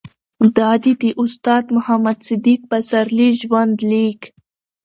دا دي د استاد محمد صديق پسرلي ژوند ليک